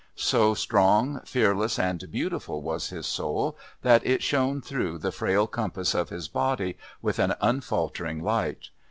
So strong, fearless and beautiful was his soul that it shone through the frail compass of his body with an unfaltering light.